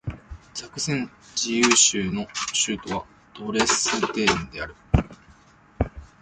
ザクセン自由州の州都はドレスデンである